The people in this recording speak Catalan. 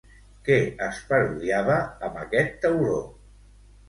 Què es parodiava amb aquest tauró?